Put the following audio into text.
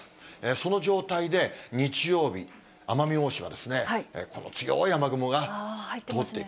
その状態で日曜日、奄美大島ですね、この強い雨雲が通っていく。